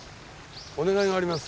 お願いがあります。